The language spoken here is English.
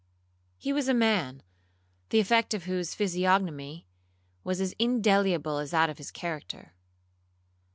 He was a man, the effect of whose physiognomy was as indelible as that of his character.